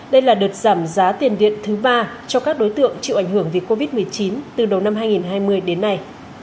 đây là đợt giảm giá tiền điện thứ ba cho các đối tượng chịu ảnh hưởng vì covid một mươi chín từ đầu năm hai nghìn hai mươi đến nay